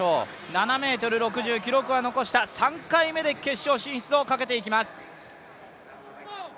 ７ｍ６０、記録は残した、３回目で決勝進出をかけていきます。